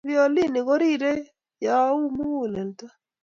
violini korirei you mukulelto